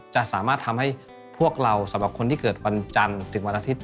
จะสามารถทำให้พวกเราสำหรับคนที่เกิดวันจันทร์ถึงวันอาทิตย